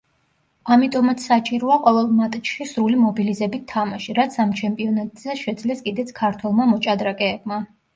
ამიტომაც საჭიროა ყოველ მატჩში სრული მობილიზებით თამაში, რაც ამ ჩემპიონატზე შეძლეს კიდეც ქართველმა მოჭდრაკეებმა.